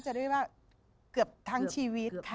จะได้เรียกว่าเกือบทั้งชีวิตค่ะ